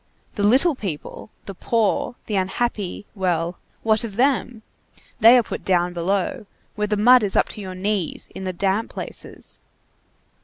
The little people, the poor, the unhappy, well, what of them? they are put down below, where the mud is up to your knees, in the damp places.